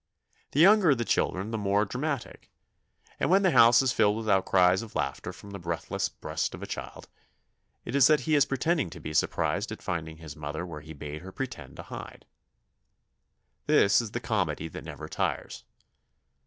The younger the children the more dramatic; and when the house is filled with outcries of laughter from the breathless breast of a child, it is that he is pretending to be surprised at finding his mother where he bade her pretend to hide. This is the comedy that never tires.